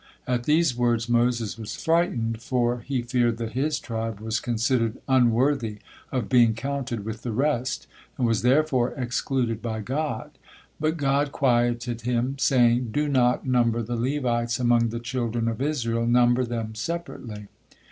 At these words Moses was frightened, for he feared that his tribe was considered unworthy of being counted with the rest, and was therefore excluded by God. But God quieted him, saying: "Do not number the Levites among the children of Israel, number them separately."